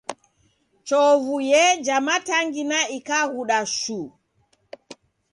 Chovu yeja matangina ikaghuda shuu.